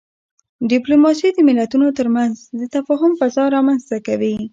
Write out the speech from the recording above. ډيپلوماسي د ملتونو ترمنځ د تفاهم فضا رامنځته کوي.